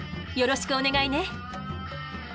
よろしくお願いね。